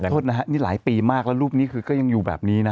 โทษนะฮะนี่หลายปีมากแล้วรูปนี้คือก็ยังอยู่แบบนี้นะ